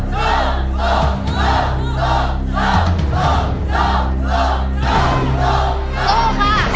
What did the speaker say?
สู้สู้สู้